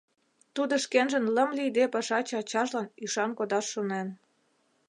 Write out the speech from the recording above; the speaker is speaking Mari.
Тудо шкенжын лым лийде пашаче ачажлан ӱшан кодаш шонен.